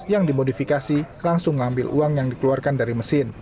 yang dimodifikasi langsung ngambil uang yang dikeluarkan dari mesin